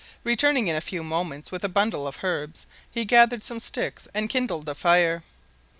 Returning in a few moments with a bundle of herbs, he gathered some sticks and kindled a fire.